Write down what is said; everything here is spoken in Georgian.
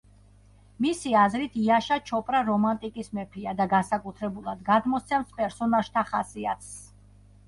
მისი აზრით იაშა ჩოპრა რომანტიკის მეფეა და განსაკუთრებულად გადმოსცემს პერსონაჟთა ხასიათს.